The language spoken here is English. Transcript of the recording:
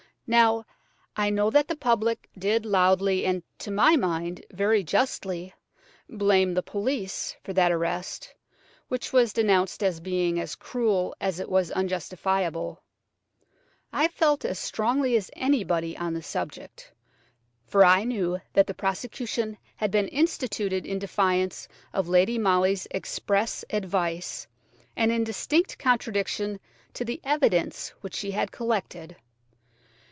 Now, I know that the public did loudly, and, to my mind, very justly, blame the police for that arrest, which was denounced as being as cruel as it was unjustifiable. I felt as strongly as anybody on the subject, for I knew that the prosecution had been instituted in defiance of Lady Molly's express advice, and in distinct contradiction to the evidence which she had collected.